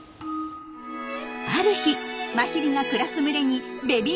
ある日マヒリが暮らす群れにベビーラッシュが到来！